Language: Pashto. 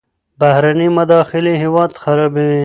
بهرنۍ مداخلې هیواد خرابوي.